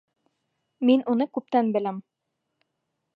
Мин уны күптән беләм.